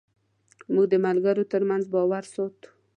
موږ د ملګرو تر منځ باور ساتو.